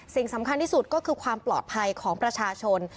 สิ่งสำคัญที่สุดก็คือความปลอดภัยของประชาชน